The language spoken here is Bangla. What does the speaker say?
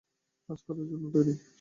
কাজ করার জন্য তৈরি।